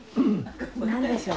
何でしょう？